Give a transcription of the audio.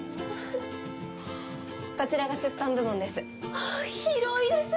こちらが出版部門です。